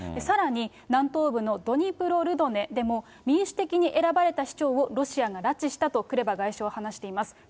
さらに、南東部のドニプロルドネでも、民主的に選ばれた市長をロシアが拉致したとクレバ外相、話しています。